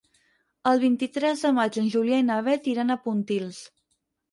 El vint-i-tres de maig en Julià i na Beth iran a Pontils.